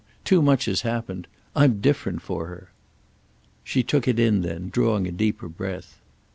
Too much has happened. I'm different for her." She took it in then, drawing a deeper breath.